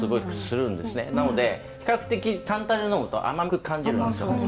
なので比較的単体で呑むと甘く感じるんですよ。